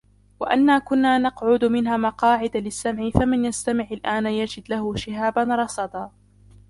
وَأَنَّا كُنَّا نَقْعُدُ مِنْهَا مَقَاعِدَ لِلسَّمْعِ فَمَنْ يَسْتَمِعِ الْآنَ يَجِدْ لَهُ شِهَابًا رَصَدًا